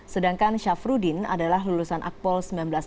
sedangkan syafruddin adalah lulusan akpol seribu sembilan ratus delapan puluh